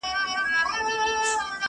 ټول لګښت دي درکومه نه وېرېږم!